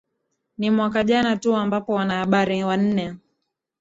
ni mwaka jana tu ambapo wanahabari wanne